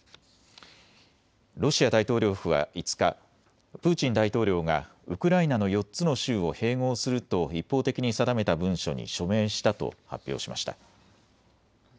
ロシア大統領府は５日、プーチン大統領がウクライナの４つの州を併合すると一方的に定めた文書に署名したと発表しました。